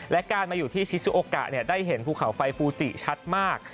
และการมาอยู่ที่ชิสุโอกะได้เห็นภูเขาไฟฟูจิชัดมาก